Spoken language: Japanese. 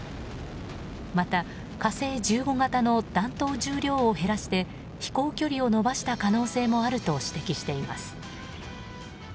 また、「火星１５」型の弾頭重量を減らして飛行距離を伸ばした可能性もあると指摘しています。